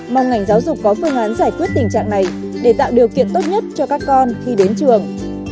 mong ngành giáo dục có phương án giải quyết tình trạng này để tạo điều kiện tốt nhất cho các con khi đến trường